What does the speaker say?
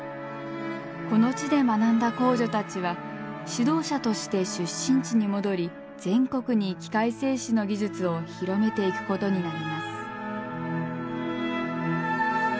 この地で学んだ工女たちは指導者として出身地に戻り全国に器械製糸の技術を広めていくことになります。